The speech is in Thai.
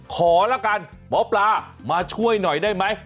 ละกันหมอปลามาช่วยหน่อยได้ไหม